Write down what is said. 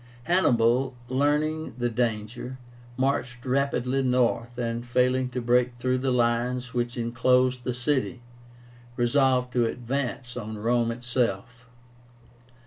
Hannibal, learning the danger, marched rapidly north, and failing to break through the lines which enclosed the city, resolved to advance on Rome itself.